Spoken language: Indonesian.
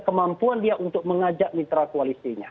kemampuan dia untuk mengajak mitra koalisinya